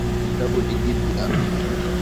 Kitabu ni kipya